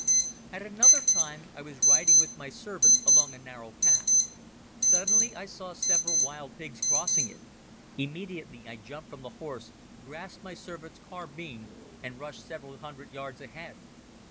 At another time, I was riding with my servant along a narrow path. Suddenly I saw several wild pigs crossing it. Immediately I jumped from the horse, grasped my servant's carbine and rushed several hundred yards ahead.